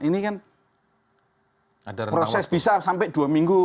ini kan proses bisa sampai dua minggu